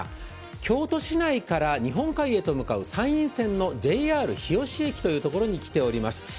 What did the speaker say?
京都市内から日本海へと向かう山陰線のＪＲ日吉駅というところに来ています。